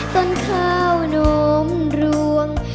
ต้นข้าวนมรวง